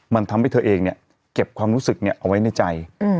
มันทำให้เธอเองเนี่ยเก็บความรู้สึกเอาไว้ในใจ